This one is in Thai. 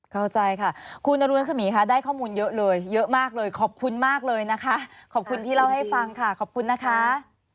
เข้าใจค่ะคุณอรุณรสมีค่ะได้ข้อมูลเยอะเลยเยอะมากเลยขอบคุณมากเลยนะคะขอบคุณที่เล่าให้ฟังค่ะขอบคุณนะคะ